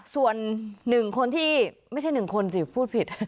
ส่วนหนึ่งคนที่ไม่ใช่หนึ่งคนสิพูดผิด